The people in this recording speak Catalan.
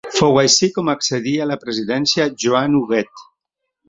Fou així com accedí a la presidència Joan Huguet.